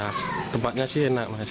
ya tempatnya sih enak mas